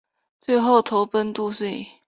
最后投奔杜弢。